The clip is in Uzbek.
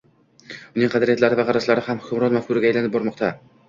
uning qadriyatlari va qarashlari ham hukmron mafkuraga aylanib bormoqda.